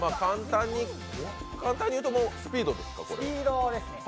簡単に言うと、スピードですか、これは。